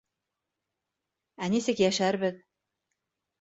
Ә нисек йәшәрбеҙ?